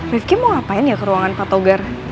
rifki mau ngapain ya ke ruangan pak togar